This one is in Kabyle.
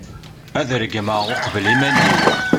ad regmeɣ uqbel iman-iw